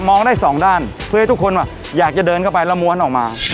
มองได้สองด้านเพื่อให้ทุกคนอยากจะเดินเข้าไปแล้วม้วนออกมา